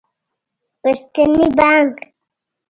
پښتني بانګ